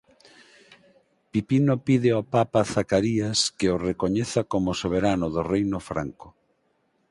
Pipino pide ao Papa Zacarías que o recoñeza como soberano do reino franco.